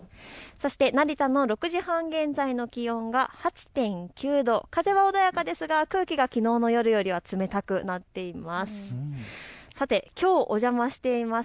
そして成田の６時半現在の気温が８．９度、風は穏やかですが空気がきのうの夜よりは冷たくなっています。